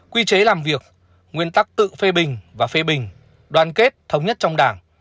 quy chế làm việc nguyên tắc tự phê bình và phê bình đoàn kết thống nhất trong đảng